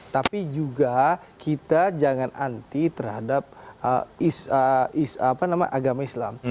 tapi juga kita jangan anti terhadap agama islam